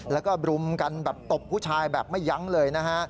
แล้วก็รุมกันแบบตบผู้ชายแบบไม่ยั้งเลยนะฮะ